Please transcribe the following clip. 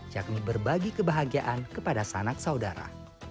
yakni berbagi kebahagiaan kepada sanak saudara